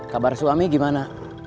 kabar suami gimana